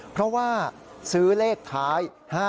เพราะว่าซื้อเลขท้าย๕๗